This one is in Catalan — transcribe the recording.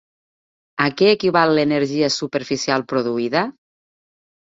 A què equival l'energia superficial produïda?